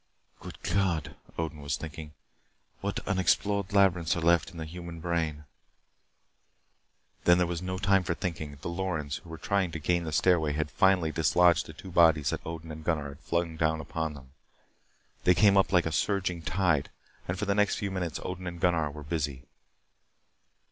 "Good God," Odin was thinking. "What unexplored labyrinths are left in the human brain?" Then there was no time for thinking. The Lorens who were trying to gain the stairway had finally dislodged the two bodies that Odin and Gunnar had flung down upon them. They came up like a surging tide, and for the next few minutes Odin and Gunnar were busy.